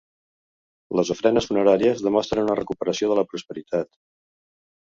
Les ofrenes funeràries demostren una recuperació de la prosperitat.